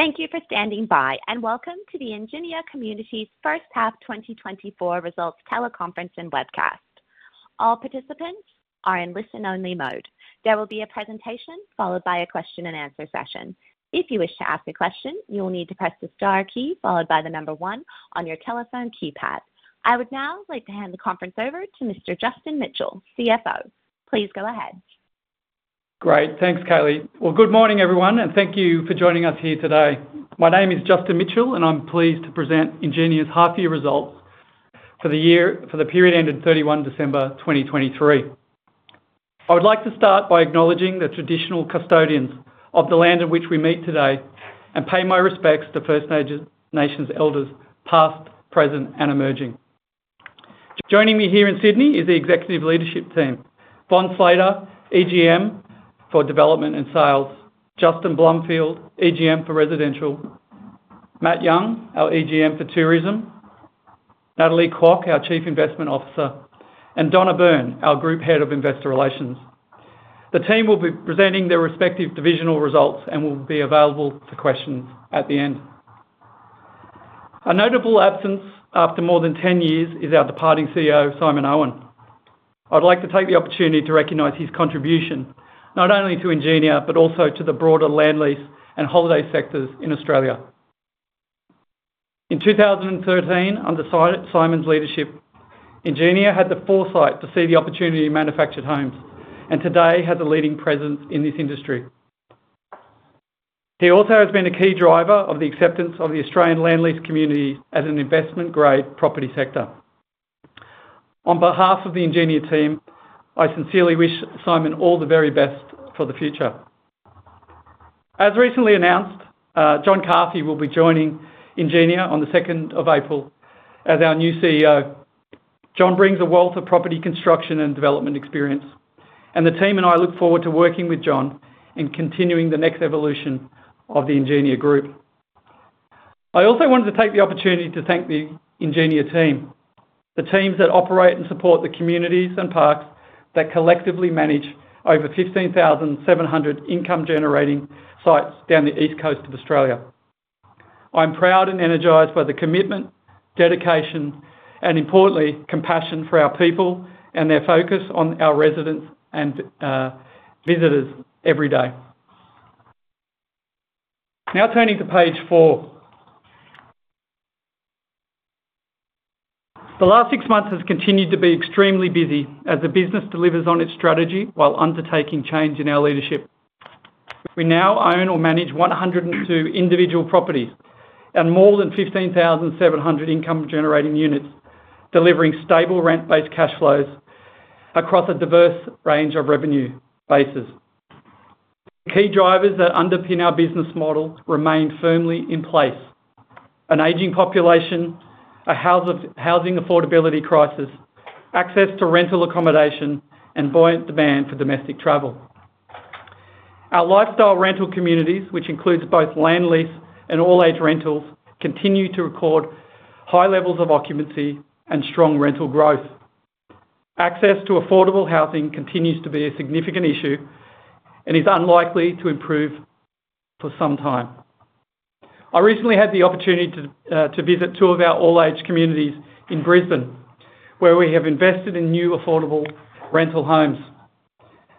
Thank you for standing by, and welcome to the Ingenia Communities H1 2024 Results Teleconference and Webcast. All participants are in listen-only mode. There will be a presentation followed by a question-and-answer session. If you wish to ask a question, you will need to press the star key followed by the number one on your telephone keypad. I would now like to hand the conference over to Mr. Justin Mitchell, CFO. Please go ahead. Great, thanks, Kayleigh. Well, good morning, everyone, and thank you for joining us here today. My name is Justin Mitchell, and I'm pleased to present Ingenia's half-year results for the period ended December 31, 2023. I would like to start by acknowledging the traditional custodians of the land in which we meet today and pay my respects to First Nations elders past, present, and emerging. Joining me here in Sydney is the Executive Leadership Team: Von Slater, EGM for Development and Sales; Justin Blumfield, EGM for Residential; Matt Young, our EGM for Tourism; Natalie Kwok, our Chief Investment Officer; and Donna Byrne, our Group Head of Investor Relations. The team will be presenting their respective divisional results and will be available for questions at the end. A notable absence after more than 10 years is our departing CEO, Simon Owen. I'd like to take the opportunity to recognize his contribution not only to Ingenia but also to the broader land lease and holiday sectors in Australia. In 2013, under Simon's leadership, Ingenia had the foresight to see the opportunity in manufactured homes and today has a leading presence in this industry. He also has been a key driver of the acceptance of the Australian land lease community as an investment-grade property sector. On behalf of the Ingenia team, I sincerely wish Simon all the very best for the future. As recently announced, John Carfi will be joining Ingenia on April 2 as our new CEO. John brings a wealth of property construction and development experience, and the team and I look forward to working with John in continuing the next evolution of the Ingenia Group. I also wanted to take the opportunity to thank the Ingenia team, the teams that operate and support the communities and parks that collectively manage over 15,700 income-generating sites down the east coast of Australia. I'm proud and energized by the commitment, dedication, and importantly, compassion for our people and their focus on our residents and visitors every day. Now turning to page four. The last six months have continued to be extremely busy as the business delivers on its strategy while undertaking change in our leadership. We now own or manage 102 individual properties and more than 15,700 income-generating units, delivering stable rent-based cash flows across a diverse range of revenue bases. The key drivers that underpin our business model remain firmly in place: an aging population, a housing affordability crisis, access to rental accommodation, and buoyant demand for domestic travel. Our lifestyle rental communities, which includes both land lease and all-age rentals, continue to record high levels of occupancy and strong rental growth. Access to affordable housing continues to be a significant issue and is unlikely to improve for some time. I recently had the opportunity to visit two of our all-age communities in Brisbane, where we have invested in new affordable rental homes.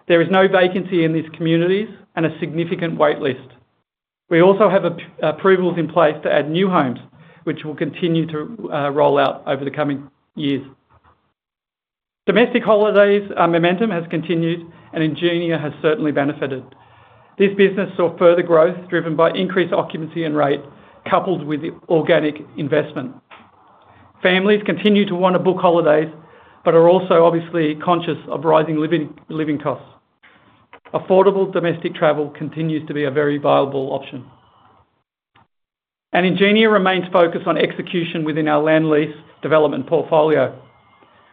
There is no vacancy in these communities and a significant waitlist. We also have approvals in place to add new homes, which will continue to roll out over the coming years. Domestic holiday momentum has continued, and Ingenia has certainly benefited. This business saw further growth driven by increased occupancy and rate coupled with organic investment. Families continue to want to book holidays but are also obviously conscious of rising living costs. Affordable domestic travel continues to be a very viable option. Ingenia remains focused on execution within our land lease development portfolio.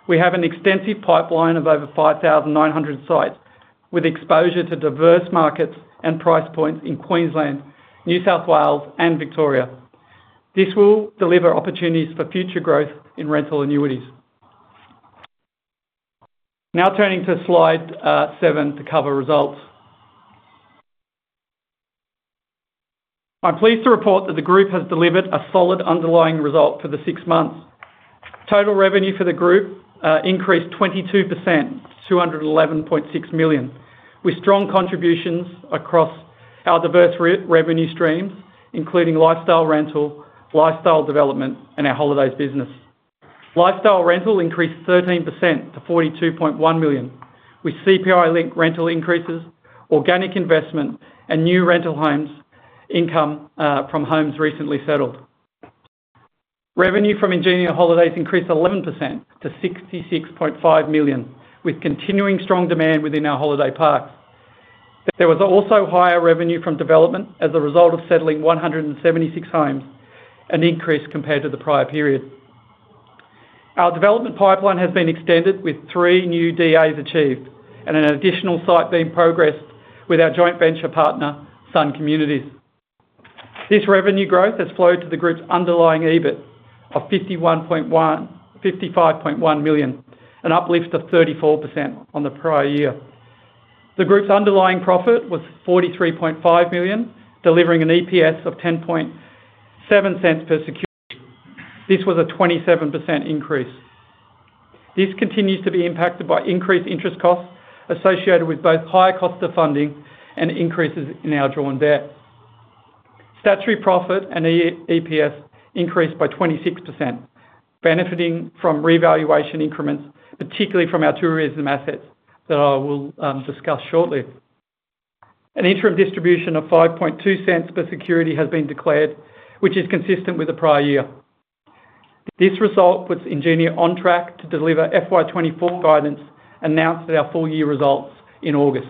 We have an extensive pipeline of over 5,900 sites with exposure to diverse markets and price points in Queensland, New South Wales, and Victoria. This will deliver opportunities for future growth in rental annuities. Now turning to slide seven to cover results. I'm pleased to report that the group has delivered a solid underlying result for the six months. Total revenue for the group increased 22% to 211.6 million, with strong contributions across our diverse revenue streams, including lifestyle rental, lifestyle development, and our holidays business. Lifestyle rental increased 13% to 42.1 million, with CPI-linked rental increases, organic investment, and new rental homes income from homes recently settled. Revenue from Ingenia Holidays increased 11% to 66.5 million, with continuing strong demand within our holiday parks. There was also higher revenue from development as a result of settling 176 homes, an increase compared to the prior period. Our development pipeline has been extended with three new DAs achieved and an additional site being progressed with our joint venture partner, Sun Communities. This revenue growth has flowed to the group's underlying EBIT of 55.1 million, an uplift of 34% on the prior year. The group's underlying profit was 43.5 million, delivering an EPS of 0.107 per security. This was a 27% increase. This continues to be impacted by increased interest costs associated with both higher costs of funding and increases in our drawn debt. Statutory profit and EPS increased by 26%, benefiting from revaluation increments, particularly from our tourism assets that I will discuss shortly. An interim distribution of 0.052 per security has been declared, which is consistent with the prior year. This result puts Ingenia on track to deliver FY 2024 guidance announced at our full-year results in August.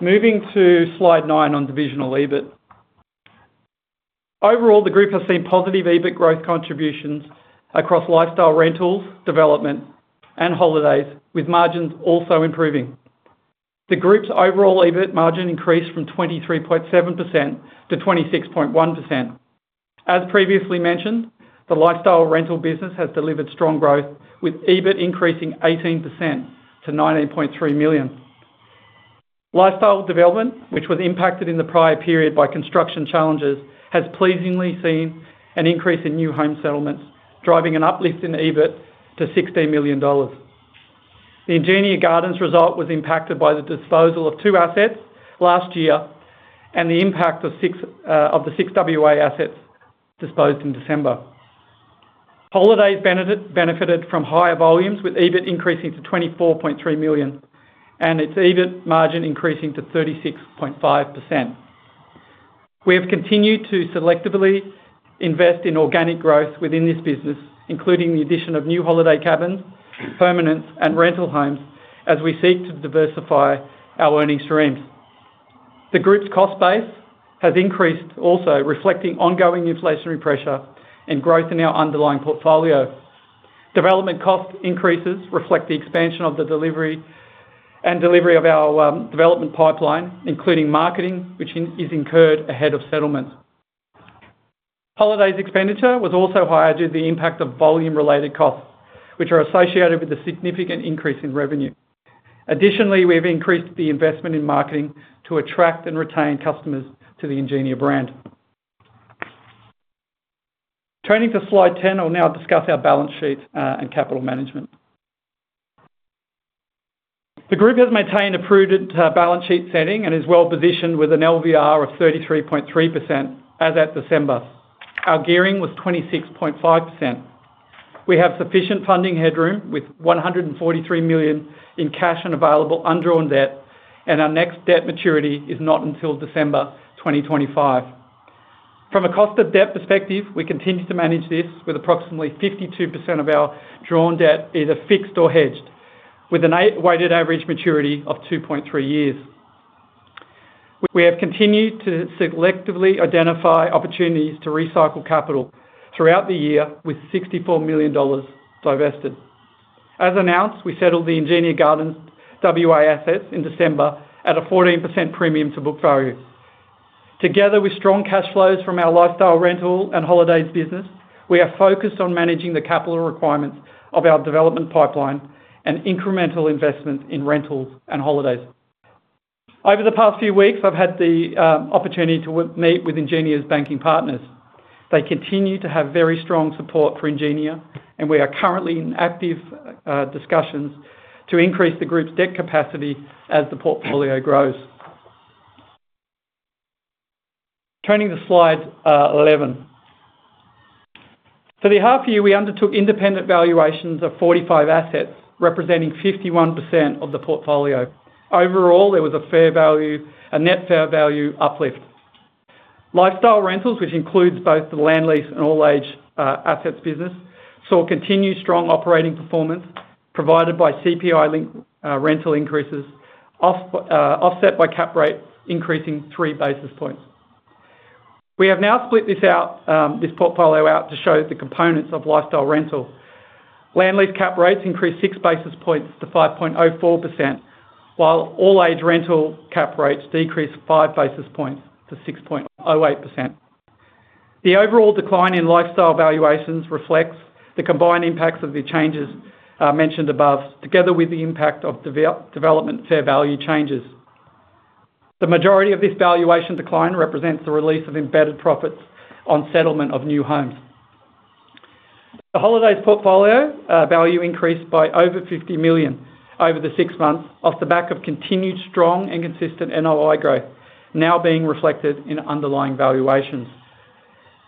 Moving to slide nine on divisional EBIT. Overall, the group has seen positive EBIT growth contributions across lifestyle rentals, development, and holidays, with margins also improving. The group's overall EBIT margin increased from 23.7% to 26.1%. As previously mentioned, the lifestyle rental business has delivered strong growth, with EBIT increasing 18% to 19.3 million. Lifestyle development, which was impacted in the prior period by construction challenges, has pleasingly seen an increase in new home settlements, driving an uplift in EBIT to 16 million dollars. The Ingenia Gardens result was impacted by the disposal of two assets last year and the impact of the six WA assets disposed in December. Holidays benefited from higher volumes, with EBIT increasing to 24.3 million and its EBIT margin increasing to 36.5%. We have continued to selectively invest in organic growth within this business, including the addition of new holiday cabins, permanents, and rental homes, as we seek to diversify our earnings streams. The group's cost base has increased also, reflecting ongoing inflationary pressure and growth in our underlying portfolio. Development cost increases reflect the expansion of the delivery of our development pipeline, including marketing, which is incurred ahead of settlement. Holidays expenditure was also higher due to the impact of volume-related costs, which are associated with a significant increase in revenue. Additionally, we have increased the investment in marketing to attract and retain customers to the Ingenia brand. Turning to slide 10, I'll now discuss our balance sheet and capital management. The group has maintained a prudent balance sheet setting and is well-positioned with an LVR of 33.3% as at December. Our gearing was 26.5%. We have sufficient funding headroom, with 143 million in cash and available undrawn debt, and our next debt maturity is not until December 2025. From a cost of debt perspective, we continue to manage this with approximately 52% of our drawn debt either fixed or hedged, with a weighted average maturity of 2.3 years. We have continued to selectively identify opportunities to recycle capital throughout the year, with 64 million dollars divested. As announced, we settled the Ingenia Gardens WA assets in December at a 14% premium to book value. Together, with strong cash flows from our lifestyle rental and holidays business, we are focused on managing the capital requirements of our development pipeline and incremental investments in rentals and holidays. Over the past few weeks, I've had the opportunity to meet with Ingenia's banking partners. They continue to have very strong support for Ingenia, and we are currently in active discussions to increase the group's debt capacity as the portfolio grows. Turning to slide 11. For the half-year, we undertook independent valuations of 45 assets, representing 51% of the portfolio. Overall, there was a fair value, a net fair value uplift. Lifestyle rentals, which includes both the land lease and all-age assets business, saw continued strong operating performance provided by CPI-linked rental increases, offset by cap rate increasing 3 basis points. We have now split this portfolio out to show the components of lifestyle rental. Land lease cap rates increased 6 basis points to 5.04%, while all-age rental cap rates decreased 5 basis points to 6.08%. The overall decline in lifestyle valuations reflects the combined impacts of the changes mentioned above, together with the impact of development fair value changes. The majority of this valuation decline represents the release of embedded profits on settlement of new homes. The holidays portfolio value increased by over 50 million over the six months off the back of continued strong and consistent NOI growth, now being reflected in underlying valuations.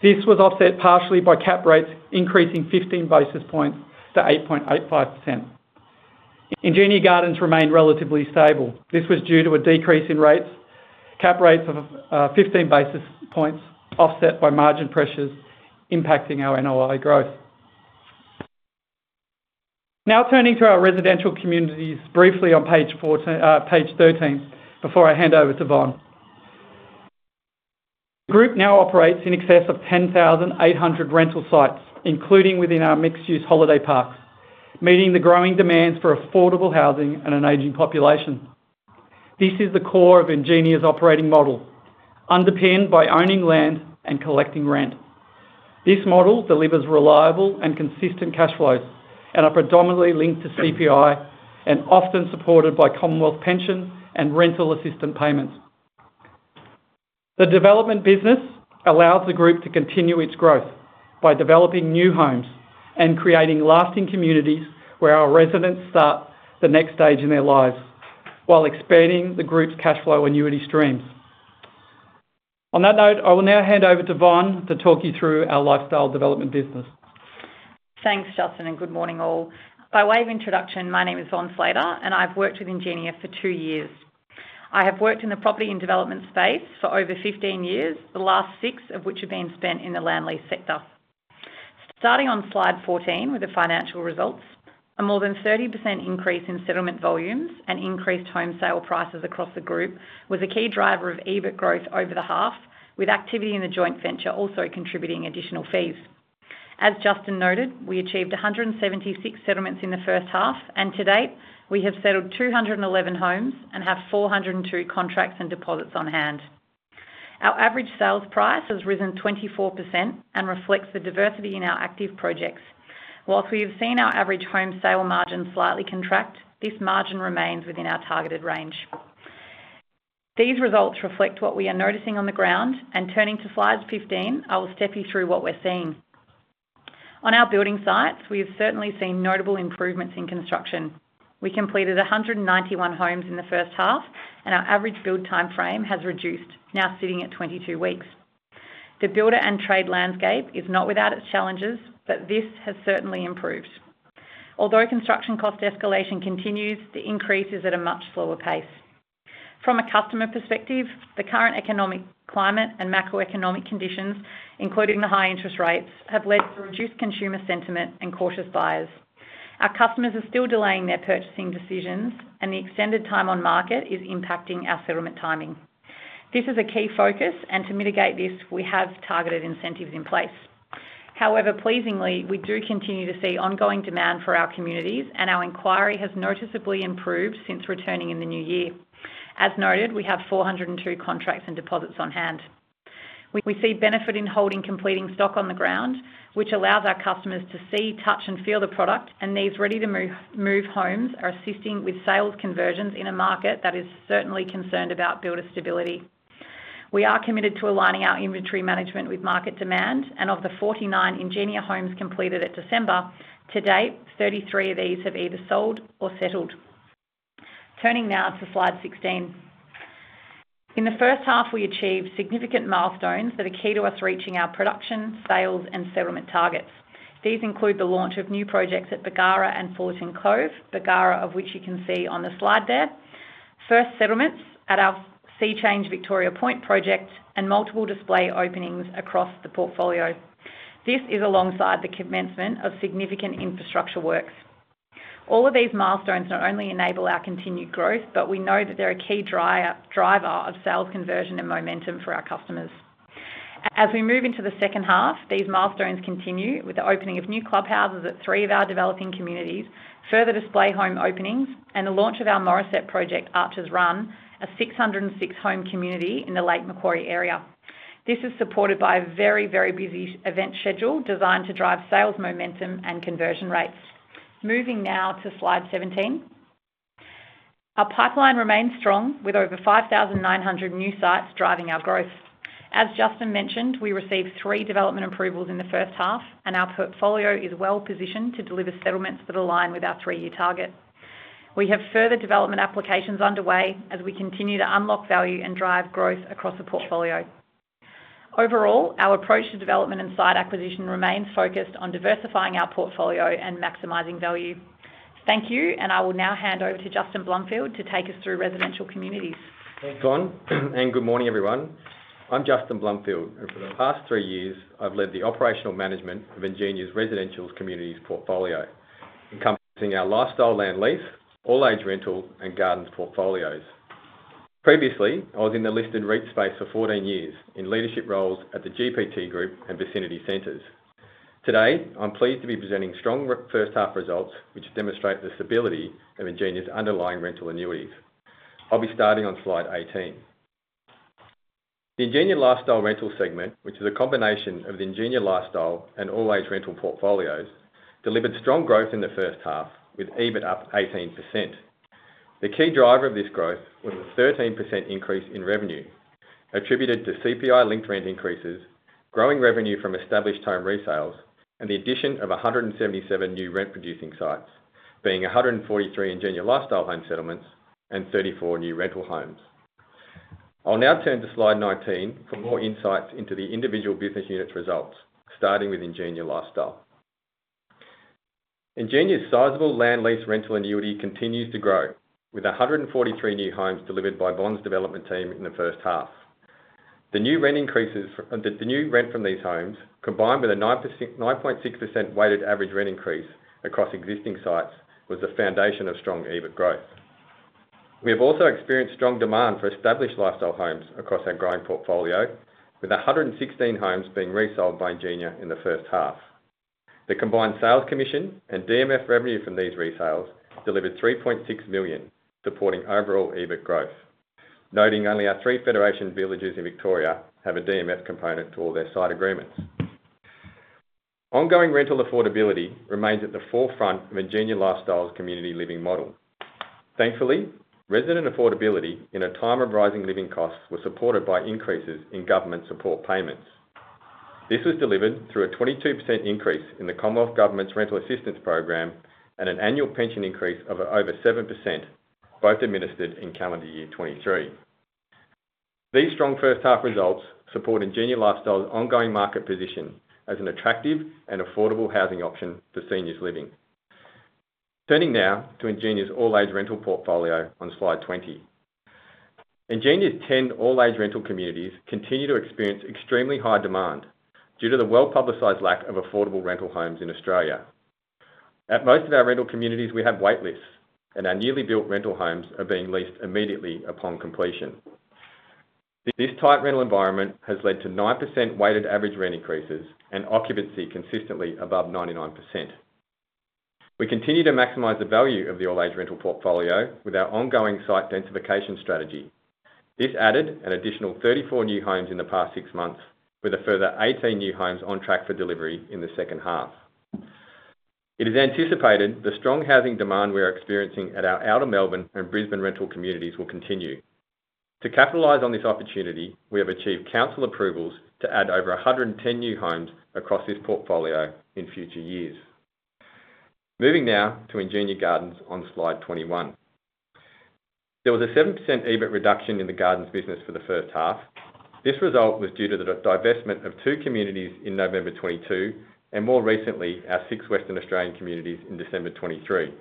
This was offset partially by cap rates increasing 15 basis points to 8.85%. Ingenia Gardens remained relatively stable. This was due to a decrease in rates, cap rates of 15 basis points offset by margin pressures impacting our NOI growth. Now turning to our residential communities briefly on page 13 before I hand over to Von. The group now operates in excess of 10,800 rental sites, including within our mixed-use holiday parks, meeting the growing demands for affordable housing and an aging population. This is the core of Ingenia's operating model, underpinned by owning land and collecting rent. This model delivers reliable and consistent cash flows and are predominantly linked to CPI and often supported by Commonwealth pension and rental assistant payments. The development business allows the group to continue its growth by developing new homes and creating lasting communities where our residents start the next stage in their lives, while expanding the group's cash flow annuity streams. On that note, I will now hand over to Von to talk you through our lifestyle development business. Thanks, Justin, and good morning all. By way of introduction, my name is Von Slater, and I've worked with Ingenia for two years. I have worked in the property and development space for over 15 years, the last six of which have been spent in the land lease sector. Starting on slide 14 with the financial results, a more than 30% increase in settlement volumes and increased home sale prices across the group was a key driver of EBIT growth over the half, with activity in the joint venture also contributing additional fees. As Justin noted, we achieved 176 settlements in the H1, and to date, we have settled 211 homes and have 402 contracts and deposits on hand. Our average sales price has risen 24% and reflects the diversity in our active projects. While we have seen our average home sale margin slightly contract, this margin remains within our targeted range. These results reflect what we are noticing on the ground, and turning to slide 15, I will step you through what we're seeing. On our building sites, we have certainly seen notable improvements in construction. We completed 191 homes in the H1, and our average build timeframe has reduced, now sitting at 22 weeks. The builder and trade landscape is not without its challenges, but this has certainly improved. Although construction cost escalation continues, the increase is at a much slower pace. From a customer perspective, the current economic climate and macroeconomic conditions, including the high interest rates, have led to reduced consumer sentiment and cautious buyers. Our customers are still delaying their purchasing decisions, and the extended time on market is impacting our settlement timing. This is a key focus, and to mitigate this, we have targeted incentives in place. However, pleasingly, we do continue to see ongoing demand for our communities, and our inquiry has noticeably improved since returning in the new year. As noted, we have 402 contracts and deposits on hand. We see benefit in holding completing stock on the ground, which allows our customers to see, touch, and feel the product, and these ready-to-move homes are assisting with sales conversions in a market that is certainly concerned about builder stability. We are committed to aligning our inventory management with market demand, and of the 49 Ingenia homes completed at December, to date, 33 of these have either sold or settled. Turning now to slide 16. In the H1, we achieved significant milestones that are key to us reaching our production, sales, and settlement targets. These include the launch of new projects at Bargara and Fullerton Cove, Bargara of which you can see on the slide there, first settlements at our Seachange Victoria Point project, and multiple display openings across the portfolio. This is alongside the commencement of significant infrastructure works. All of these milestones not only enable our continued growth, but we know that they're a key driver of sales conversion and momentum for our customers. As we move into the H2, these milestones continue with the opening of new clubhouses at three of our developing communities, further display home openings, and the launch of our Morisset project, Archers Run, a 606-home community in the Lake Macquarie area. This is supported by a very, very busy event schedule designed to drive sales momentum and conversion rates. Moving now to slide 17. Our pipeline remains strong, with over 5,900 new sites driving our growth. As Justin mentioned, we received three development approvals in the H1, and our portfolio is well-positioned to deliver settlements that align with our three-year target. We have further development applications underway as we continue to unlock value and drive growth across the portfolio. Overall, our approach to development and site acquisition remains focused on diversifying our portfolio and maximizing value. Thank you, and I will now hand over to Justin Blumfield to take us through residential communities. Thanks, Von, and good morning, everyone. I'm Justin Blumfield, and for the past three years, I've led the operational management of Ingenia's residential communities portfolio, encompassing our lifestyle land lease, all-age rental, and gardens portfolios. Previously, I was in the listed REIT space for 14 years in leadership roles at the GPT Group and Vicinity Centres. Today, I'm pleased to be presenting strong H1 results, which demonstrate the stability of Ingenia's underlying rental annuities. I'll be starting on slide 18. The Ingenia lifestyle rental segment, which is a combination of the Ingenia lifestyle and all-age rental portfolios, delivered strong growth in the H1, with EBIT up 18%. The key driver of this growth was a 13% increase in revenue attributed to CPI-linked rent increases, growing revenue from established home resales, and the addition of 177 new rent-producing sites, being 143 Ingenia lifestyle home settlements and 34 new rental homes. I'll now turn to slide 19 for more insights into the individual business units results, starting with Ingenia Lifestyle. Ingenia's sizable land lease rental annuity continues to grow, with 143 new homes delivered by Von's development team in the H1. The new rent increases the new rent from these homes, combined with a 9.6% weighted average rent increase across existing sites, was the foundation of strong EBIT growth. We have also experienced strong demand for established lifestyle homes across our growing portfolio, with 116 homes being resold by Ingenia in the H1. The combined sales commission and DMF revenue from these resales delivered 3.6 million, supporting overall EBIT growth, noting only our three Federation Villages in Victoria have a DMF component to all their site agreements. Ongoing rental affordability remains at the forefront of Ingenia Lifestyle's community living model. Thankfully, resident affordability in a time of rising living costs was supported by increases in government support payments. This was delivered through a 22% increase in the Commonwealth Government's rental assistance program and an annual pension increase of over 7%, both administered in calendar year 2023. These strong H1 results support Ingenia Lifestyle's ongoing market position as an attractive and affordable housing option for seniors living. Turning now to Ingenia's all-age rental portfolio on slide 20. Ingenia's 10 all-age rental communities continue to experience extremely high demand due to the well-publicised lack of affordable rental homes in Australia. At most of our rental communities, we have waitlists, and our newly built rental homes are being leased immediately upon completion. This tight rental environment has led to 9% weighted average rent increases and occupancy consistently above 99%. We continue to maximize the value of the all-age rental portfolio with our ongoing site densification strategy. This added an additional 34 new homes in the past six months, with further 18 new homes on track for delivery in the H2. It is anticipated the strong housing demand we are experiencing at our outer Melbourne and Brisbane rental communities will continue. To capitalize on this opportunity, we have achieved council approvals to add over 110 new homes across this portfolio in future years. Moving now to Ingenia Gardens on slide 21. There was a 7% EBIT reduction in the gardens business for the H1. This result was due to the divestment of two communities in November 2022 and, more recently, our six Western Australian communities in December 2023.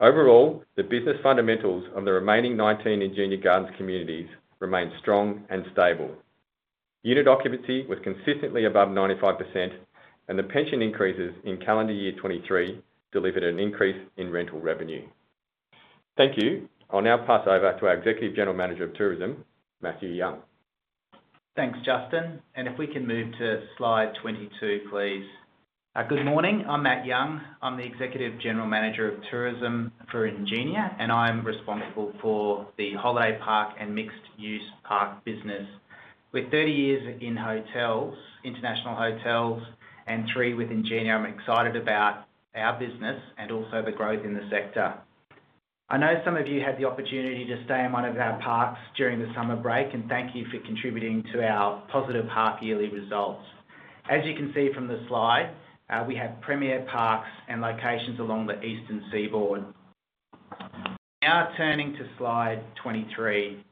Overall, the business fundamentals of the remaining 19 Ingenia Gardens communities remain strong and stable. Unit occupancy was consistently above 95%, and the pension increases in calendar year 2023 delivered an increase in rental revenue. Thank you. I'll now pass over to our Executive General Manager of Tourism, Matthew Young. Thanks, Justin. If we can move to slide 22, please. Good morning. I'm Matt Young. I'm the executive general manager of tourism for Ingenia, and I'm responsible for the holiday park and mixed-use park business. With 30 years in international hotels and three with Ingenia, I'm excited about our business and also the growth in the sector. I know some of you had the opportunity to stay in one of our parks during the summer break, and thank you for contributing to our positive park yearly results. As you can see from the slide, we have premier parks and locations along the eastern seaboard. Now turning to slide 23.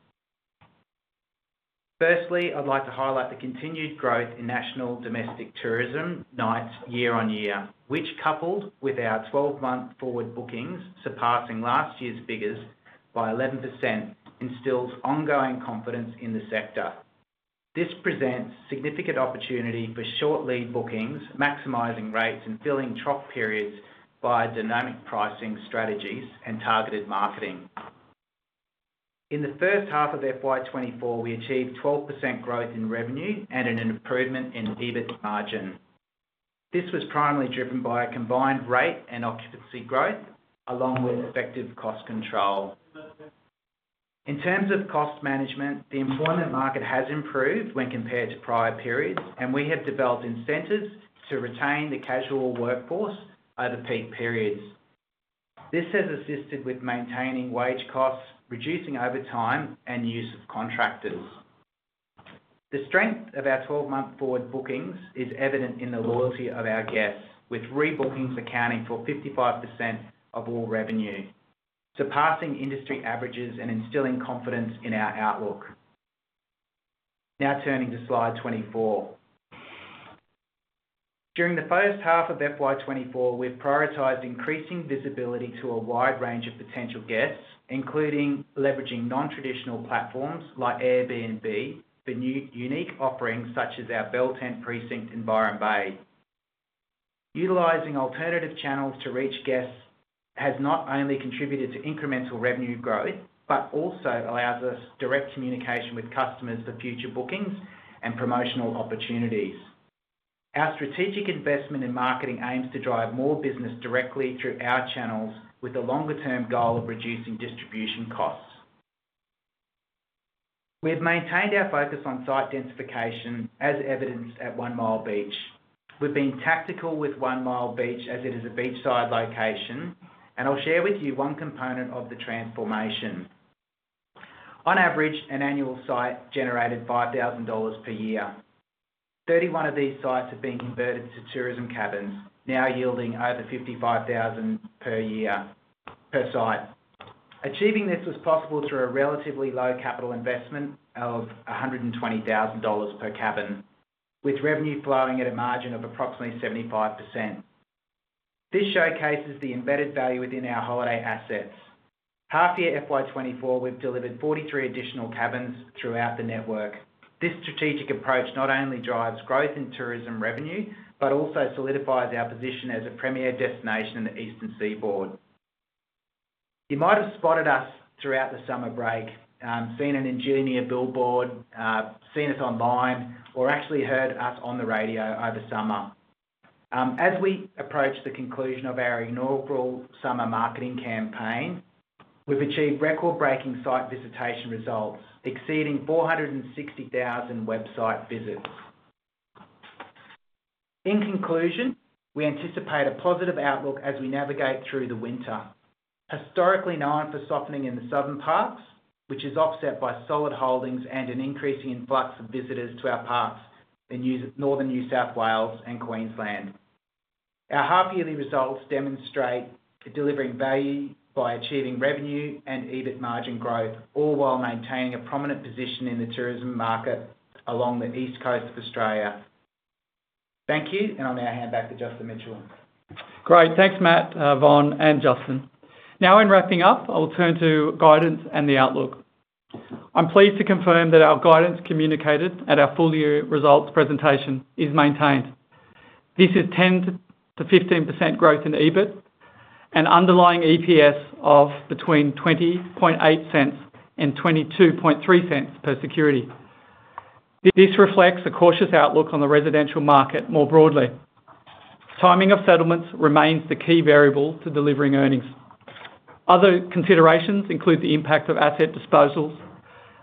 Firstly, I'd like to highlight the continued growth in national domestic tourism nights year-over-year, which, coupled with our 12-month forward bookings surpassing last year's figures by 11%, instills ongoing confidence in the sector. This presents significant opportunity for short lead bookings, maximizing rates, and filling trough periods by dynamic pricing strategies and targeted marketing. In the H1 of FY 2024, we achieved 12% growth in revenue and an improvement in EBIT margin. This was primarily driven by a combined rate and occupancy growth along with effective cost control. In terms of cost management, the employment market has improved when compared to prior periods, and we have developed incentives to retain the casual workforce over peak periods. This has assisted with maintaining wage costs, reducing overtime, and use of contractors. The strength of our 12-month forward bookings is evident in the loyalty of our guests, with rebookings accounting for 55% of all revenue, surpassing industry averages and instilling confidence in our outlook. Now turning to slide 24. During the H1 of FY 2024, we've prioritized increasing visibility to a wide range of potential guests, including leveraging non-traditional platforms like Airbnb for unique offerings such as our bell-tent precinct in Byron Bay. Utilizing alternative channels to reach guests has not only contributed to incremental revenue growth but also allows us direct communication with customers for future bookings and promotional opportunities. Our strategic investment in marketing aims to drive more business directly through our channels with the longer-term goal of reducing distribution costs. We have maintained our focus on site densification, as evidenced at One Mile Beach. We've been tactical with One Mile Beach as it is a beachside location, and I'll share with you one component of the transformation. On average, an annual site generated 5,000 dollars per year. 31 of these sites have been converted to tourism cabins, now yielding over 55,000 per year per site. Achieving this was possible through a relatively low capital investment of 120,000 dollars per cabin, with revenue flowing at a margin of approximately 75%. This showcases the embedded value within our holiday assets. Half-year FY 2024, we've delivered 43 additional cabins throughout the network. This strategic approach not only drives growth in tourism revenue but also solidifies our position as a premier destination in the eastern seaboard. You might have spotted us throughout the summer break, seen an Ingenia billboard, seen us online, or actually heard us on the radio over summer. As we approach the conclusion of our inaugural summer marketing campaign, we've achieved record-breaking site visitation results, exceeding 460,000 website visits. In conclusion, we anticipate a positive outlook as we navigate through the winter. Historically known for softening in the southern parks, which is offset by solid holdings and an increasing influx of visitors to our parks in northern New South Wales and Queensland, our half-yearly results demonstrate delivering value by achieving revenue and EBIT margin growth, all while maintaining a prominent position in the tourism market along the east coast of Australia. Thank you, and I'll now hand back to Justin Mitchell. Great. Thanks, Matt, Von, and Justin. Now in wrapping up, I'll turn to guidance and the outlook. I'm pleased to confirm that our guidance communicated at our full-year results presentation is maintained. This is 10%-15% growth in EBIT and underlying EPS of between 0.208 and 0.223 per security. This reflects a cautious outlook on the residential market more broadly. Timing of settlements remains the key variable to delivering earnings. Other considerations include the impact of asset disposals,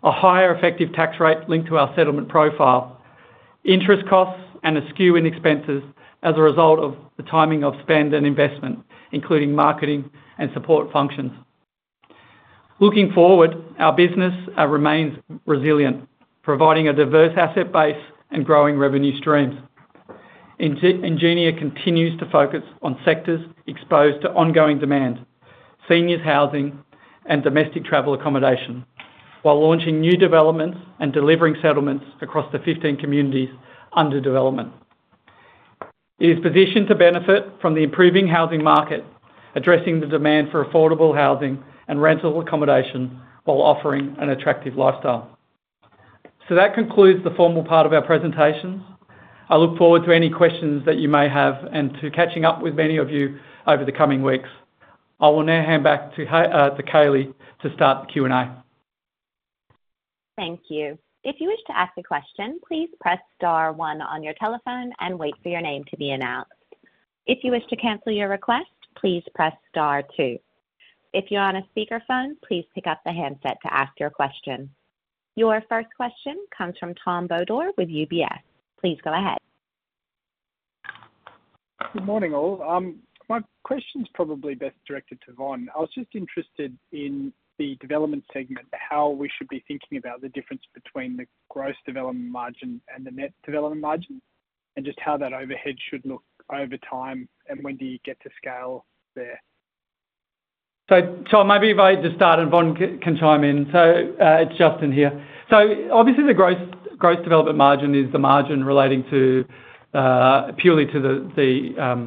a higher effective tax rate linked to our settlement profile, interest costs, and a skew in expenses as a result of the timing of spend and investment, including marketing and support functions. Looking forward, our business remains resilient, providing a diverse asset base and growing revenue streams. Ingenia continues to focus on sectors exposed to ongoing demand: seniors' housing and domestic travel accommodation, while launching new developments and delivering settlements across the 15 communities under development. It is positioned to benefit from the improving housing market, addressing the demand for affordable housing and rental accommodation while offering an attractive lifestyle. That concludes the formal part of our presentations. I look forward to any questions that you may have and to catching up with many of you over the coming weeks. I will now hand back to Kayleigh to start the Q&A. Thank you. If you wish to ask a question, please press star one on your telephone and wait for your name to be announced. If you wish to cancel your request, please press star two. If you're on a speakerphone, please pick up the handset to ask your question. Your first question comes from Tom Bodor with UBS. Please go ahead. Good morning, all. My question's probably best directed to Von. I was just interested in the development segment, how we should be thinking about the difference between the gross development margin and the net development margin, and just how that overhead should look over time, and when do you get to scale there? So maybe if I just start and Von can chime in. So it's Justin here. So obviously, the gross development margin is the margin relating purely to the,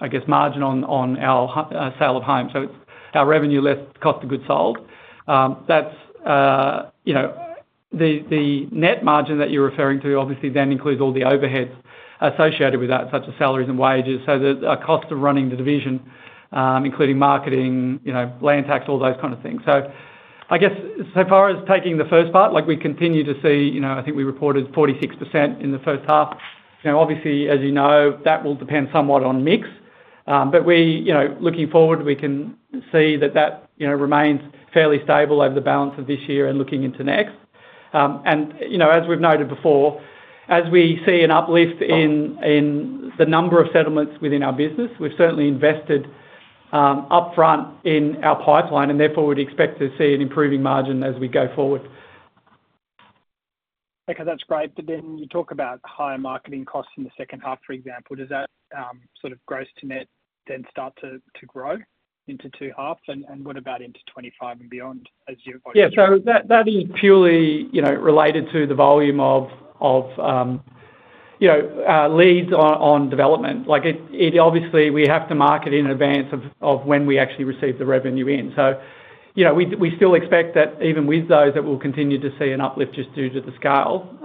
I guess, margin on our sale of homes. So it's our revenue less cost of goods sold. The net margin that you're referring to obviously then includes all the overheads associated with that, such as salaries and wages, so the cost of running the division, including marketing, land tax, all those kind of things. So I guess so far as taking the first part, we continue to see. I think we reported 46% in the H1. Obviously, as you know, that will depend somewhat on mix. But looking forward, we can see that that remains fairly stable over the balance of this year and looking into next. As we've noted before, as we see an uplift in the number of settlements within our business, we've certainly invested upfront in our pipeline and therefore would expect to see an improving margin as we go forward. Okay. That's great. But then you talk about higher marketing costs in the H2, for example. Does that sort of gross to net then start to grow into H2? And what about into 2025 and beyond, as you've already said? Yeah. So that is purely related to the volume of leads on development. Obviously, we have to market in advance of when we actually receive the revenue in. So we still expect that even with those, that we'll continue to see an uplift just due to the scale.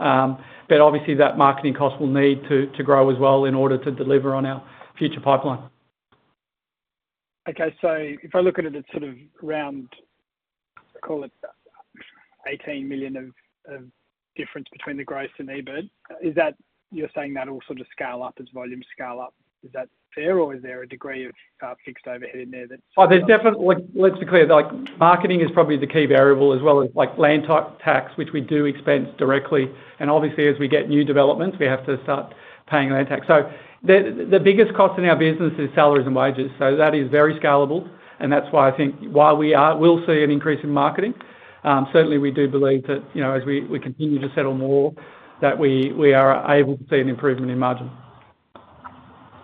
But obviously, that marketing cost will need to grow as well in order to deliver on our future pipeline. Okay. So if I look at it as sort of around, call it, 18 million of difference between the gross and EBIT, you're saying that'll sort of scale up as volumes scale up. Is that fair, or is there a degree of fixed overhead in there that's? Let's be clear. Marketing is probably the key variable as well as land tax, which we do expense directly. Obviously, as we get new developments, we have to start paying land tax. The biggest cost in our business is salaries and wages. That is very scalable, and that's why I think we'll see an increase in marketing. Certainly, we do believe that as we continue to settle more, that we are able to see an improvement in margin.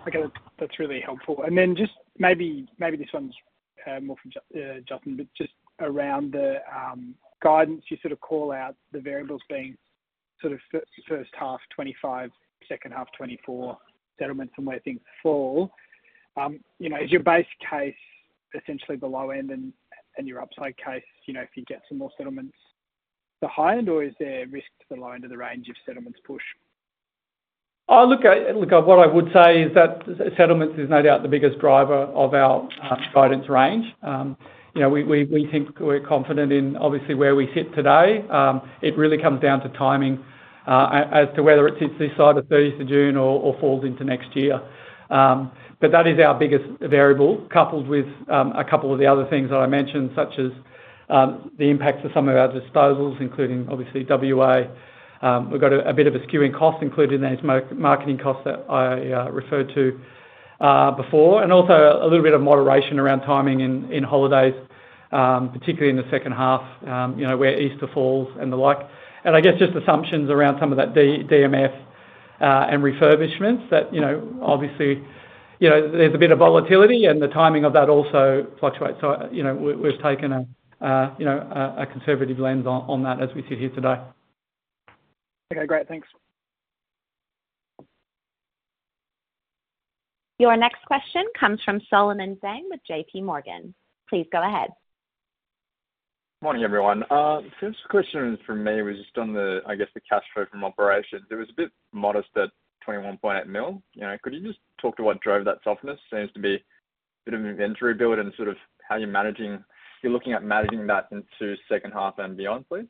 Okay. That's really helpful. And then just maybe this one's more for Justin, but just around the guidance, you sort of call out the variables being sort of H1 2025, H2 2024, settlements, and where things fall. Is your base case essentially the low end, and your upside case, if you get some more settlements, the high end, or is there risk to the low end of the range if settlements push? Look, what I would say is that settlements is no doubt the biggest driver of our guidance range. We think we're confident in, obviously, where we sit today. It really comes down to timing as to whether it sits this side of June 30th or falls into next year. But that is our biggest variable, coupled with a couple of the other things that I mentioned, such as the impacts of some of our disposals, including obviously WA. We've got a bit of a skew in costs included in those marketing costs that I referred to before, and also a little bit of moderation around timing in holidays, particularly in the H2 where Easter falls and the like. And I guess just assumptions around some of that DMF and refurbishments that obviously, there's a bit of volatility, and the timing of that also fluctuates. So we've taken a conservative lens on that as we sit here today. Okay. Great. Thanks. Your next question comes from Solomon Zhang with J.P. Morgan. Please go ahead. Morning, everyone. First question for me was just on, I guess, the cash flow from operations. It was a bit modest at 21.8 million. Could you just talk to what drove that softness? Seems to be a bit of an inventory build and sort of how you're looking at managing that into H2 and beyond, please?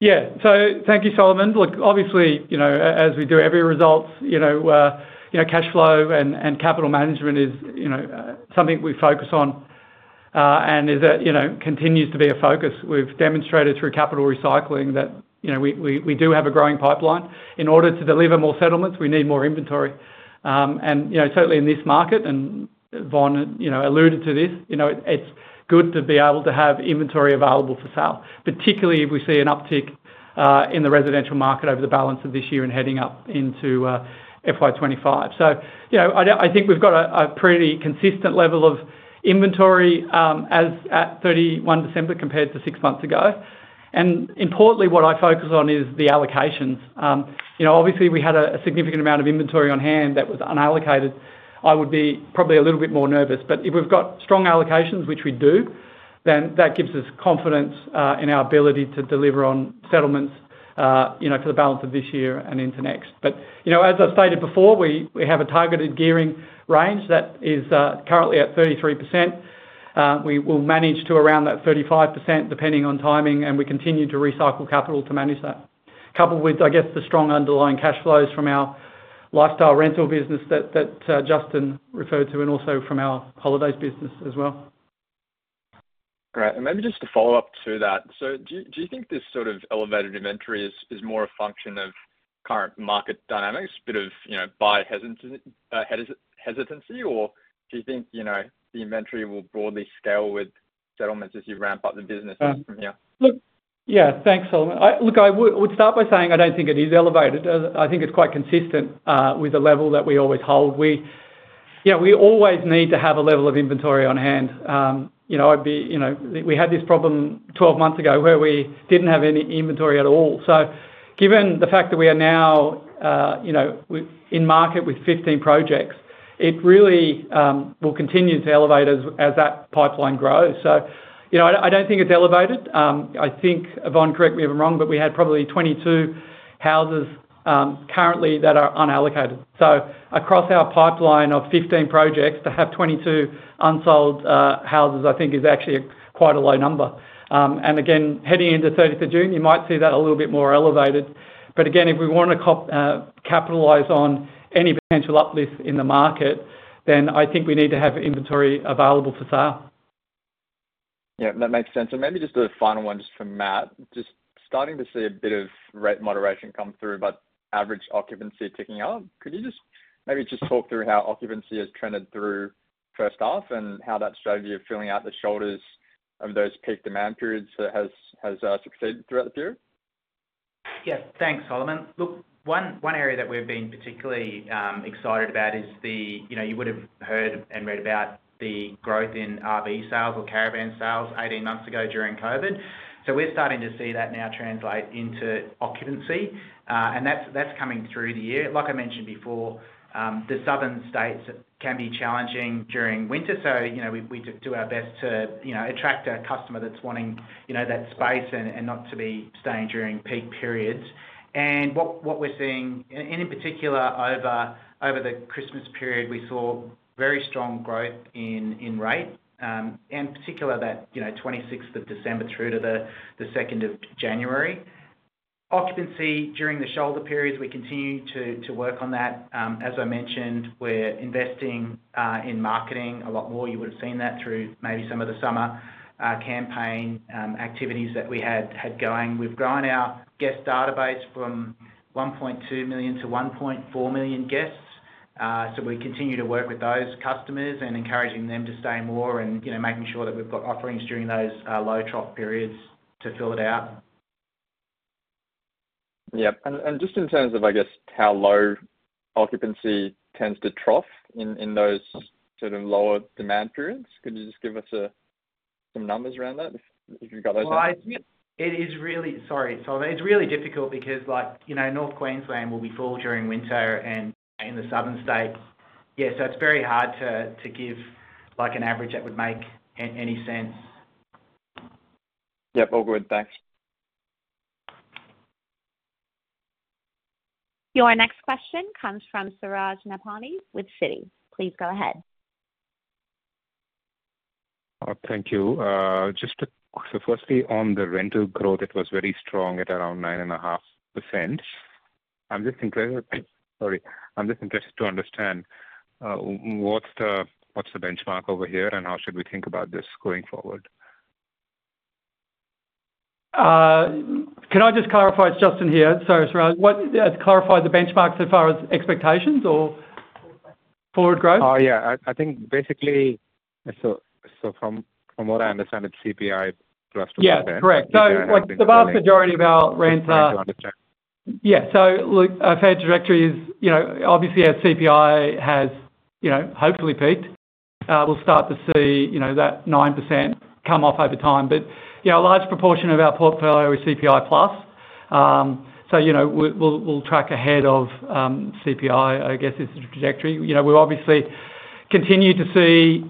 Yeah. So thank you, Solomon. Obviously, as we do every results, cash flow and capital management is something that we focus on and continues to be a focus. We've demonstrated through capital recycling that we do have a growing pipeline. In order to deliver more settlements, we need more inventory. And certainly in this market, and Von alluded to this, it's good to be able to have inventory available for sale, particularly if we see an uptick in the residential market over the balance of this year and heading up into FY 2025. So I think we've got a pretty consistent level of inventory at December 31 compared to six months ago. And importantly, what I focus on is the allocations. Obviously, we had a significant amount of inventory on hand that was unallocated. I would be probably a little bit more nervous. If we've got strong allocations, which we do, then that gives us confidence in our ability to deliver on settlements for the balance of this year and into next. As I've stated before, we have a targeted gearing range that is currently at 33%. We will manage to around that 35% depending on timing, and we continue to recycle capital to manage that, coupled with, I guess, the strong underlying cash flows from our lifestyle rental business that Justin referred to and also from our holidays business as well. Great. Maybe just to follow up to that, so do you think this sort of elevated inventory is more a function of current market dynamics, a bit of buy hesitancy, or do you think the inventory will broadly scale with settlements as you ramp up the business from here? Yeah. Thanks, Solomon. Look, I would start by saying I don't think it is elevated. I think it's quite consistent with the level that we always hold. We always need to have a level of inventory on hand. We had this problem 12 months ago where we didn't have any inventory at all. So given the fact that we are now in market with 15 projects, it really will continue to elevate as that pipeline grows. So I don't think it's elevated. I think, Von, correct me if I'm wrong, but we had probably 22 houses currently that are unallocated. So across our pipeline of 15 projects, to have 22 unsold houses I think is actually quite a low number. And again, heading into June 30th, you might see that a little bit more elevated. But again, if we want to capitalize on any potential uplift in the market, then I think we need to have inventory available for sale. Yeah. That makes sense. Maybe just a final one just for Matt. Just starting to see a bit of rate moderation come through, but average occupancy ticking up. Could you maybe just talk through how occupancy has trended through H1 and how that strategy of filling out the shoulders of those peak demand periods has succeeded throughout the period? Yeah. Thanks, Solomon. Look, one area that we've been particularly excited about is, you would have heard and read about the growth in RV sales or caravan sales 18 months ago during COVID. So we're starting to see that now translate into occupancy, and that's coming through the year. Like I mentioned before, the southern states can be challenging during winter. So we do our best to attract a customer that's wanting that space and not to be staying during peak periods. And what we're seeing, and in particular over the Christmas period, we saw very strong growth in rate, in particular that December 26th through to the January 2nd. Occupancy during the shoulder periods, we continue to work on that. As I mentioned, we're investing in marketing a lot more. You would have seen that through maybe some of the summer campaign activities that we had going. We've grown our guest database from 1.2 million to 1.4 million guests. We continue to work with those customers and encouraging them to stay more and making sure that we've got offerings during those low trough periods to fill it out. Yeah. Just in terms of, I guess, how low occupancy tends to trough in those sort of lower demand periods, could you just give us some numbers around that if you've got those numbers? Well, it is really sorry, Solomon. It's really difficult because North Queensland will be full during winter, and in the southern states, yeah, so it's very hard to give an average that would make any sense. Yep. All good. Thanks. Your next question comes from Suraj Nebhani with Citi. Please go ahead. All right. Thank you. So firstly, on the rental growth, it was very strong at around 9.5%. I'm just interested, sorry. I'm just interested to understand what's the benchmark over here, and how should we think about this going forward? Can I just clarify? It's Justin here. Sorry, Suraj. Clarify the benchmark so far as expectations or forward growth? Oh, yeah. I think basically so from what I understand, it's CPI plus to market. Yeah. Correct. So the vast majority of our renter. Yeah. So look, our fare directory is obviously our CPI has hopefully peaked. We'll start to see that 9% come off over time. But a large proportion of our portfolio is CPI plus. So we'll track ahead of CPI, I guess, is the trajectory. We'll obviously continue to see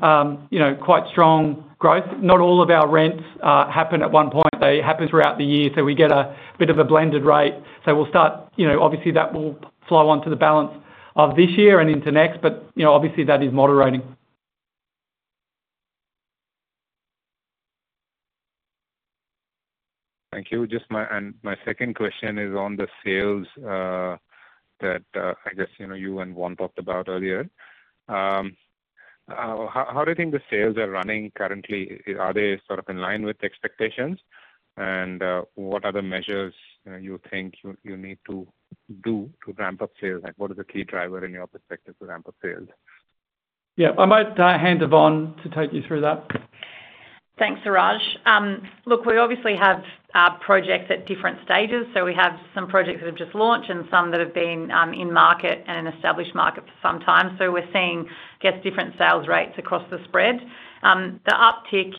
quite strong growth. Not all of our rents happen at one point. They happen throughout the year, so we get a bit of a blended rate. So we'll start obviously, that will flow onto the balance of this year and into next, but obviously, that is moderating. Thank you. My second question is on the sales that I guess you and Von talked about earlier. How do you think the sales are running currently? Are they sort of in line with expectations, and what other measures you think you need to do to ramp up sales? What is the key driver in your perspective to ramp up sales? Yeah. I might hand to Von to take you through that. Thanks, Suraj. Look, we obviously have projects at different stages. So we have some projects that have just launched and some that have been in market and an established market for some time. So we're seeing, I guess, different sales rates across the spread. The uptick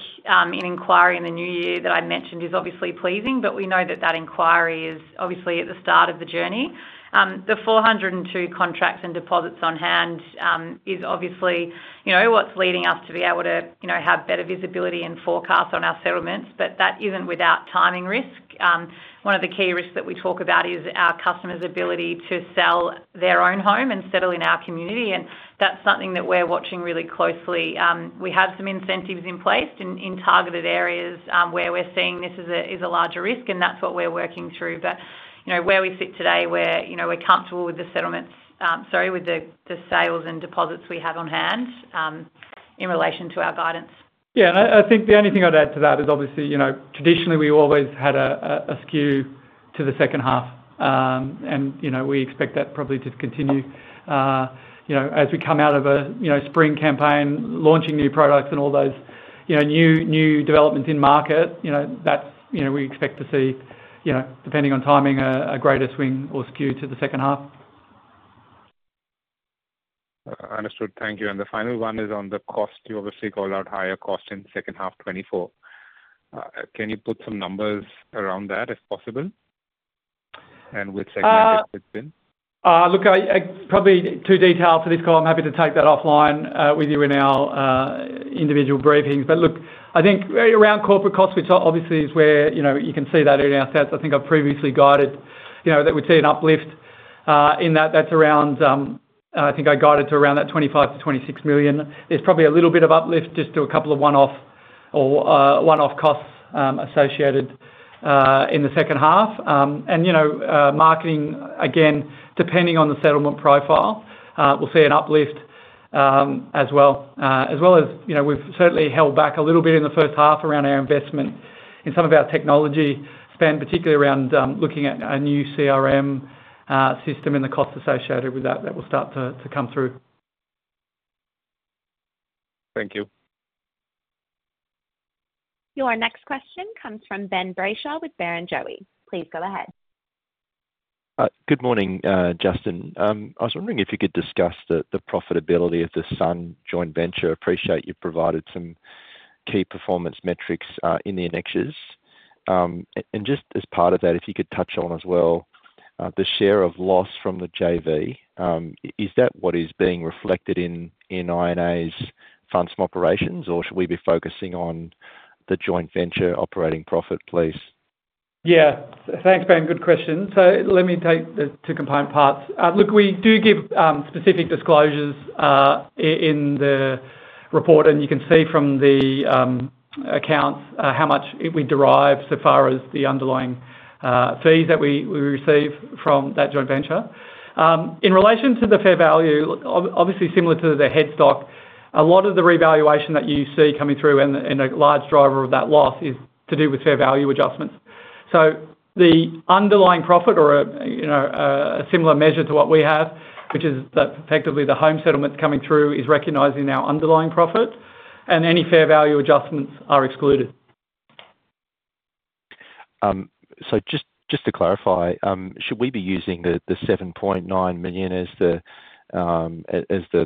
in inquiry in the new year that I mentioned is obviously pleasing, but we know that that inquiry is obviously at the start of the journey. The 402 contracts and deposits on hand is obviously what's leading us to be able to have better visibility and forecast on our settlements, but that isn't without timing risk. One of the key risks that we talk about is our customer's ability to sell their own home and settle in our community, and that's something that we're watching really closely. We have some incentives in place in targeted areas where we're seeing this is a larger risk, and that's what we're working through. But where we sit today, we're comfortable with the settlements sorry, with the sales and deposits we have on hand in relation to our guidance. Yeah. And I think the only thing I'd add to that is obviously, traditionally, we always had a skew to the H2, and we expect that probably to continue. As we come out of a spring campaign, launching new products and all those new developments in market, we expect to see, depending on timing, a greater swing or skew to the H2. Understood. Thank you. And the final one is on the cost. You obviously called out higher cost in H2 2024. Can you put some numbers around that if possible and with segmented EBIT? Look, probably too detailed for this call. I'm happy to take that offline with you in our individual briefings. But look, I think around corporate costs, which obviously is where you can see that in our stats, I think I've previously guided that we'd see an uplift in that. That's around, I think, I guided to around that 25 million-26 million. There's probably a little bit of uplift just to a couple of one-off costs associated in the H2. And marketing, again, depending on the settlement profile, we'll see an uplift as well. As well as we've certainly held back a little bit in the H1 around our investment in some of our technology spend, particularly around looking at a new CRM system and the costs associated with that that will start to come through. Thank you. Your next question comes from Ben Brayshaw with Barrenjoey. Please go ahead. Good morning, Justin. I was wondering if you could discuss the profitability of the Sun joint venture. Appreciate you've provided some key performance metrics in the indexes. Just as part of that, if you could touch on as well the share of loss from the JV, is that what is being reflected in Ingenia's funds from operations, or should we be focusing on the joint venture operating profit, please? Yeah. Thanks, Ben. Good question. So let me take the two component parts. Look, we do give specific disclosures in the report, and you can see from the accounts how much we derive so far as the underlying fees that we receive from that joint venture. In relation to the fair value, obviously similar to the headstock, a lot of the revaluation that you see coming through and a large driver of that loss is to do with fair value adjustments. So the underlying profit or a similar measure to what we have, which is effectively the home settlements coming through, is recognising our underlying profit, and any fair value adjustments are excluded. Just to clarify, should we be using the 7.9 million as the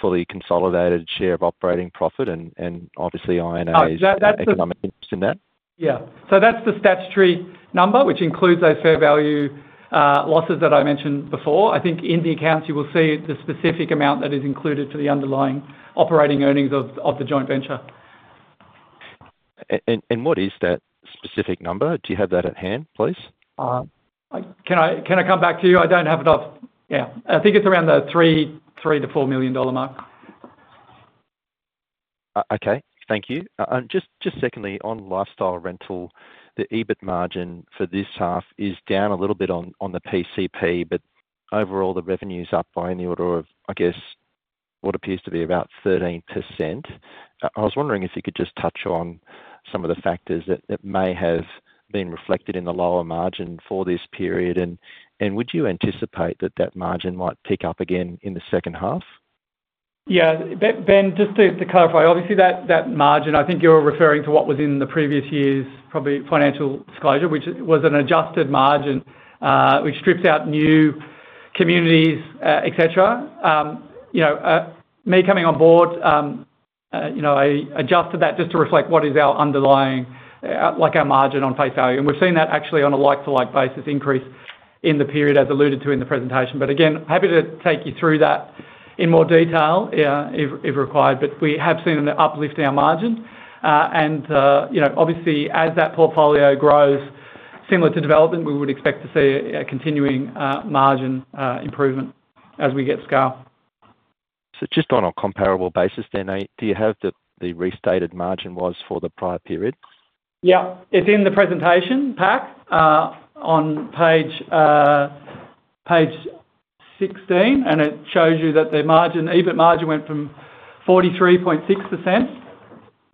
fully consolidated share of operating profit and obviously INA's economic interest in that? Yeah. So that's the statutory number, which includes those fair value losses that I mentioned before. I think in the accounts, you will see the specific amount that is included for the underlying operating earnings of the joint venture. What is that specific number? Do you have that at hand, please? Can I come back to you? I don't have enough. Yeah. I think it's around the 3 million-4 million dollar mark. Okay. Thank you. And just secondly, on lifestyle rental, the EBIT margin for this half is down a little bit on the PCP, but overall, the revenue's up by in the order of, I guess, what appears to be about 13%. I was wondering if you could just touch on some of the factors that may have been reflected in the lower margin for this period, and would you anticipate that that margin might pick up again in the H2? Yeah. Ben, just to clarify, obviously, that margin, I think you're referring to what was in the previous year's probably financial disclosure, which was an adjusted margin which strips out new communities, etc. Me coming on board, I adjusted that just to reflect what is our underlying margin on face value. And we've seen that actually on a like-for-like basis increase in the period as alluded to in the presentation. But again, happy to take you through that in more detail if required. But we have seen an uplift in our margin. And obviously, as that portfolio grows similar to development, we would expect to see a continuing margin improvement as we get scale. So, just on a comparable basis then, do you have the restated margin was for the prior period? Yeah. It's in the presentation pack on page 16, and it shows you that the EBIT margin went from 43.6%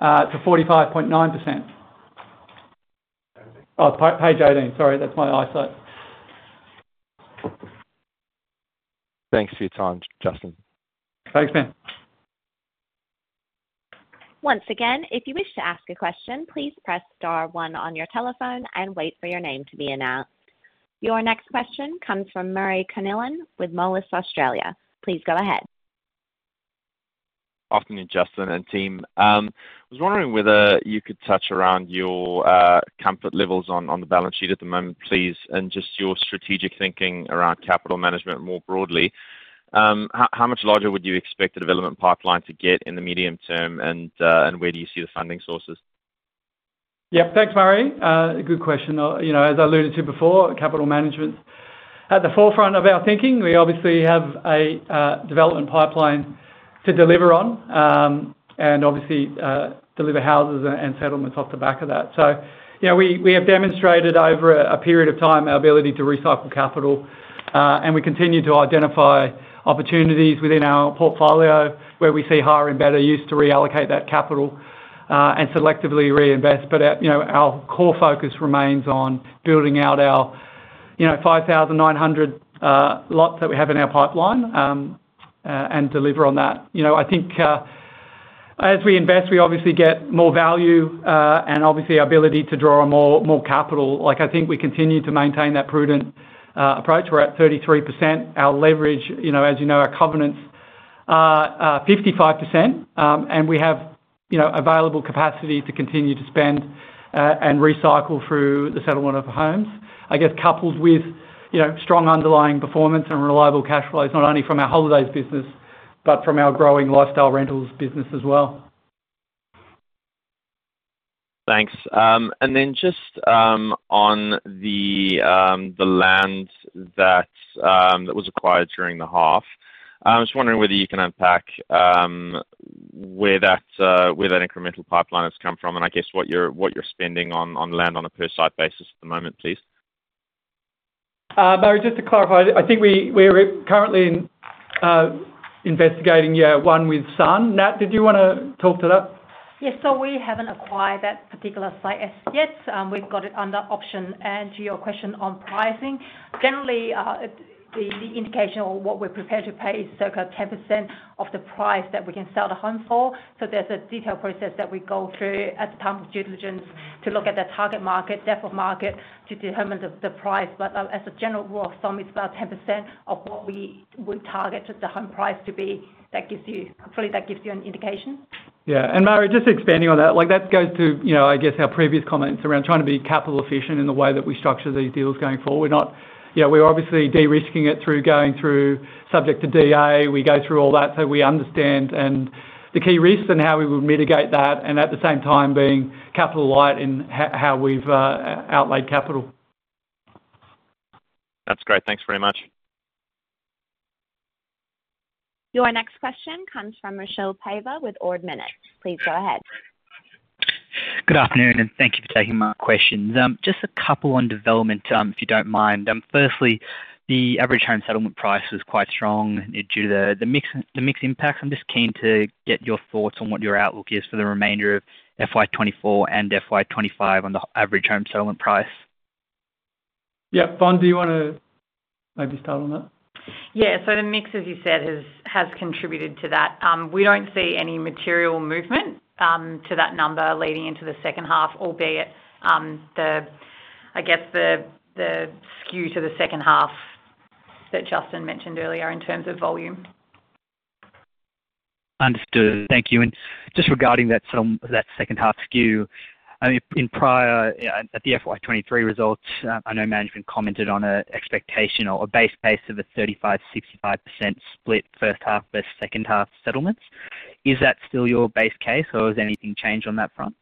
to 45.9%. Oh, page 18. Sorry. That's my eyesight. Thanks for your time, Justin. Thanks, Ben. Once again, if you wish to ask a question, please press star one on your telephone and wait for your name to be announced. Your next question comes from Murray Counihan with Moelis Australia. Please go ahead. Afternoon, Justin and team. I was wondering whether you could touch around your comfort levels on the balance sheet at the moment, please, and just your strategic thinking around capital management more broadly. How much larger would you expect a development pipeline to get in the medium term, and where do you see the funding sources? Yep. Thanks, Murray. Good question. As I alluded to before, capital management's at the forefront of our thinking. We obviously have a development pipeline to deliver on and obviously deliver houses and settlements off the back of that. So we have demonstrated over a period of time our ability to recycle capital, and we continue to identify opportunities within our portfolio where we see higher and better use to reallocate that capital and selectively reinvest. But our core focus remains on building out our 5,900 lots that we have in our pipeline and deliver on that. I think as we invest, we obviously get more value and obviously our ability to draw on more capital. I think we continue to maintain that prudent approach. We're at 33%. Our leverage, as you know, our covenants, 55%, and we have available capacity to continue to spend and recycle through the settlement of homes, I guess, coupled with strong underlying performance and reliable cash flows not only from our holidays business but from our growing lifestyle rentals business as well. Thanks. And then just on the land that was acquired during the half, I was wondering whether you can unpack where that incremental pipeline has come from and I guess what you're spending on land on a per-site basis at the moment, please? Murray, just to clarify, I think we're currently investigating, yeah, one with Sun. Nat, did you want to talk to that? Yes. So we haven't acquired that particular site as yet. We've got it under option. To your question on pricing, generally, the indication of what we're prepared to pay is circa 10% of the price that we can sell the home for. So there's a detailed process that we go through at the time of due diligence to look at the target market, depth of market to determine the price. But as a general rule of thumb, it's about 10% of what we target the home price to be. Hopefully, that gives you an indication. Yeah. And Murray, just expanding on that, that goes to, I guess, our previous comments around trying to be capital efficient in the way that we structure these deals going forward. We're obviously de-risking it through going through subject to DA. We go through all that so we understand the key risks and how we would mitigate that and at the same time being capital light in how we've outlaid capital. That's great. Thanks very much. Your next question comes from Michael Parver with Ord Minnett. Please go ahead. Good afternoon, and thank you for taking my questions. Just a couple on development, if you don't mind. Firstly, the average home settlement price was quite strong due to the mix impacts. I'm just keen to get your thoughts on what your outlook is for the remainder of FY 2024 and FY 2025 on the average home settlement price. Yeah. Von, do you want to maybe start on that? Yeah. So the mix, as you said, has contributed to that. We don't see any material movement to that number leading into the H2, albeit I guess the skew to the H2 that Justin mentioned earlier in terms of volume. Understood. Thank you. Just regarding that H2 skew, in prior at the FY 2023 results, I know management commented on a base case of a 35%-65% split H1 versus H2 settlements. Is that still your base case, or has anything changed on that front?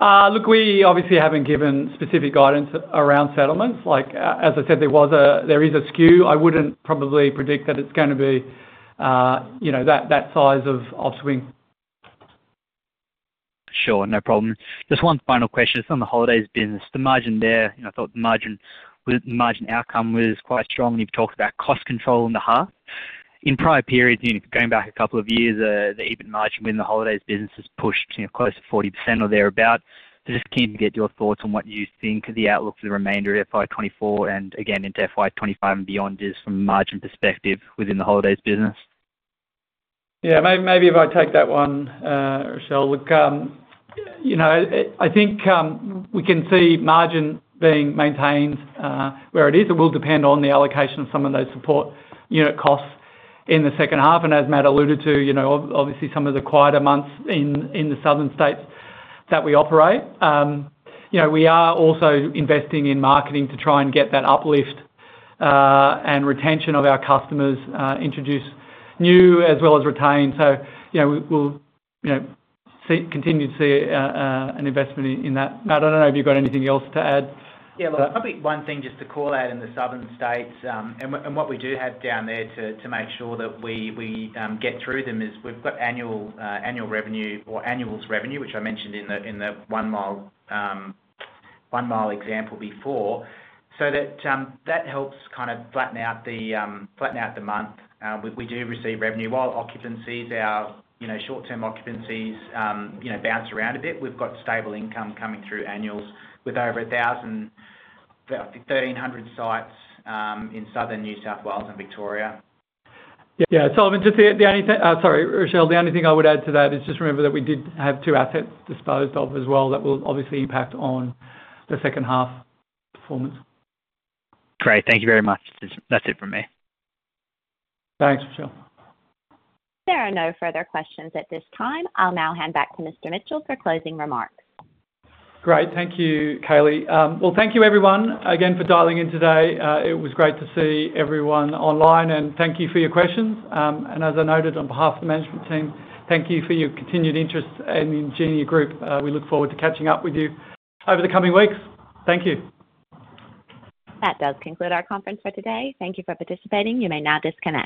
Look, we obviously haven't given specific guidance around settlements. As I said, there is a skew. I wouldn't probably predict that it's going to be that size of swing. Sure. No problem. Just one final question. It's on the holidays business. The margin there, I thought the margin outcome was quite strong when you've talked about cost control in the half. In prior periods, going back a couple of years, the EBIT margin within the holidays business has pushed close to 40% or thereabouts. So just keen to get your thoughts on what you think of the outlook for the remainder of FY 2024 and, again, into FY 2025 and beyond just from a margin perspective within the holidays business. Yeah. Maybe if I take that one, Michael. Look, I think we can see margin being maintained where it is. It will depend on the allocation of some of those support unit costs in the H2. And as Matt alluded to, obviously, some of the quieter months in the southern states that we operate, we are also investing in marketing to try and get that uplift and retention of our customers, introduce new as well as retained. So we'll continue to see an investment in that. Matt, I don't know if you've got anything else to add. Yeah. Look, probably one thing just to call out in the southern states and what we do have down there to make sure that we get through them is we've got annual revenue or annuals revenue, which I mentioned in the One Mile example before, so that helps kind of flatten out the month. We do receive revenue. While occupancies, our short-term occupancies bounce around a bit, we've got stable income coming through annuals with over 1,000, I think 1,300 sites in southern New South Wales and Victoria. Yeah. So I mean, just the only thing—sorry, Michael—the only thing I would add to that is just remember that we did have two assets disposed of as well that will obviously impact on the H2 performance. Great. Thank you very much. That's it from me. Thanks, Michael. There are no further questions at this time. I'll now hand back to Mr. Mitchell for closing remarks. Great. Thank you, Kayleigh. Well, thank you, everyone, again, for dialing in today. It was great to see everyone online, and thank you for your questions. And as I noted on behalf of the management team, thank you for your continued interest in the Ingenia Group. We look forward to catching up with you over the coming weeks. Thank you. That does conclude our conference for today. Thank you for participating. You may now disconnect.